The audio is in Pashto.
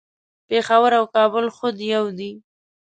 پیښور او کابل خود یو دي